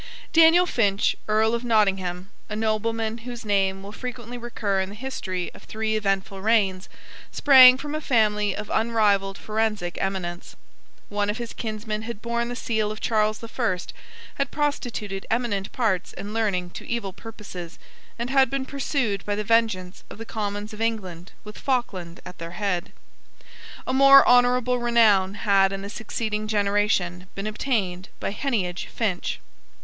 Daniel Finch, Earl of Nottingham, a nobleman whose name will frequently recur in the history of three eventful reigns, sprang from a family of unrivalled forensic eminence. One of his kinsmen had borne the seal of Charles the First, had prostituted eminent parts and learning to evil purposes, and had been pursued by the vengeance of the Commons of England with Falkland at their head. A more honourable renown had in the succeeding generation been obtained by Heneage Finch.